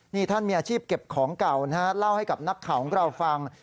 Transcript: นี่ท่านมีอาชีพเก็บของเก่านะฮะเล่าให้กับนักข่าวของเราฟัง